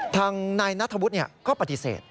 ทางนายนัทธวุฒิก็ปฏิเสธ